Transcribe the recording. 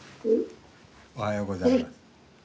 おはようございます。